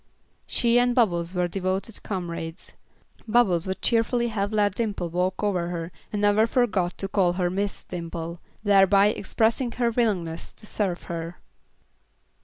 She and Bubbles were devoted comrades. Bubbles would cheerfully have let Dimple walk over her and never forgot to call her Miss Dimple, thereby expressing her willingness to serve her.